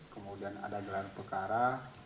kemudian ada gelar pekara